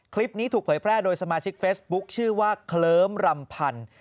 คลิปนี้ถูกเผยแพร่โดยสมาชิกเฟซบุ๊คชื่อว่าเคลิ้มรำพันธ์